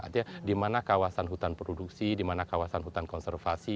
artinya di mana kawasan hutan produksi di mana kawasan hutan konservasi